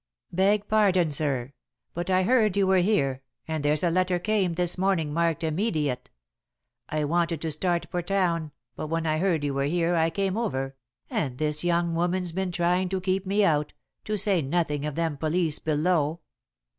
"Beg pardon, sir, but I heard you were here, and there's a letter came this morning marked 'Immediate.' I wanted to start for town, but when I heard you were here I came over, and this young woman's been trying to keep me out, to say nothing of them police below."